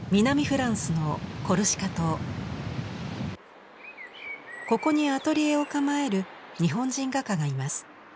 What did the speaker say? フランスのここにアトリエを構える日本人画家がいます。